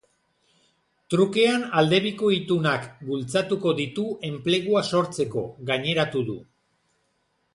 Trukean aldebiko itunak bultzatuko ditu enplegua sortzeko, gaineratu du.